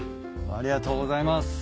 ありがとうございます。